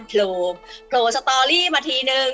โผล่โผล่สตอรี่มาทีนึง